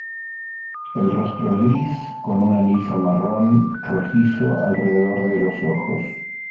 El rostro es gris, con un anillo marrón rojizo alrededor de los ojos.